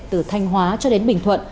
từ thanh hóa cho đến bình thuận